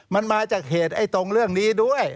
มันมาจากเหตุไอ้ตรงเรื่องนี้ด้วย